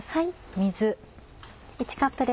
水。